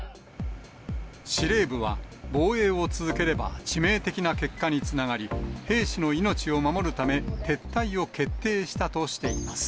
司令部は防衛を続ければ、致命的な結果につながり、兵士の命を守るため、撤退を決定したとしています。